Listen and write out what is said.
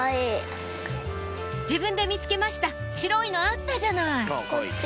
自分で見つけました白いのあったじゃない！